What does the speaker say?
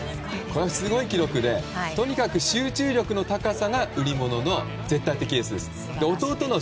すごい記録でとにかく集中力の高さが売り物の絶対的エースです。